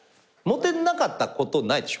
モテなかったことないでしょ？